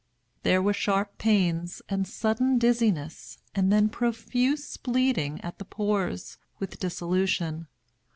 There were sharp pains, and sudden dizziness, and then profuse bleeding at the pores, with dissolution.